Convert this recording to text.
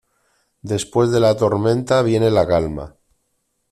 Después de la tormenta viene la calma.